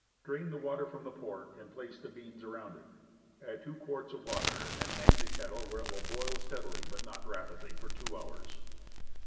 Drain the water from the pork and place the beans around it; add two quarts of water and hang the ket tle where it will boil steadily, but not rapidly, for two hours.